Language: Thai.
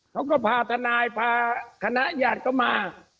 เขาก็พาทนายพาคณะญาติก็มา